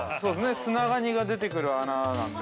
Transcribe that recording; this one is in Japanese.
◆スナガニが出てくる穴なんで。